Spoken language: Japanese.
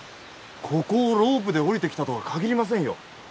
ここをロープで下りてきたとは限りませんよ。